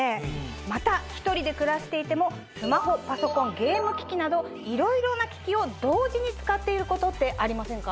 また１人で暮らしていても。などいろいろな機器を同時に使っていることってありませんか？